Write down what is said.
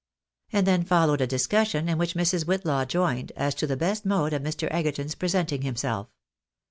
And then followed a discussion, in which Mrs. Whitlaw joined, as to the best mode of Mr. Egerton's presenting himself.